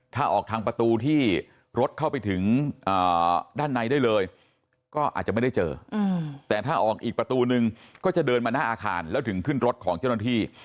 ถ้าออกทางประตูที่รถเข้าไปถึงด้านในได้เลยก็อาจจะไม่ได้เจอแต่ถ้าออกอีกประตูนึงก็จะเดินมาหน้าอาคารแล้วถึงขึ้นรถของเจ้าหน้าที่